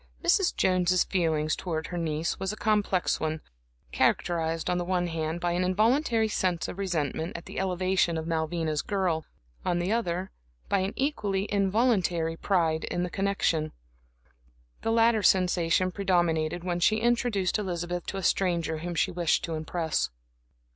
Mrs. Jones's feeling towards her niece was a complex one, characterized on the one hand, by an involuntary sense of resentment at the elevation of Malvina's girl, on the other, by an equally involuntary pride in the connection. The latter sensation predominated when she introduced Elizabeth to a stranger whom she wished to impress.